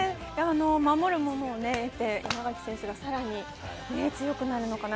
守るものを得て、稲垣選手がさらに強くなるのかな？